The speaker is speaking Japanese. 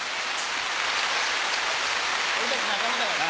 俺たち仲間だからな。